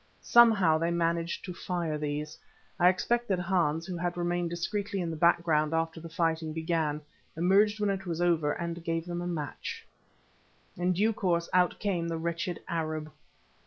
Somehow they managed to fire these; I expect that Hans, who had remained discreetly in the background after the fighting began, emerged when it was over and gave them a match. In due course out came the wretched Arab.